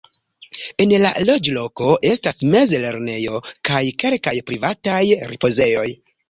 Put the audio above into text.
En la loĝloko estas mez-lernejo kaj kelkaj privataj ripozejoj.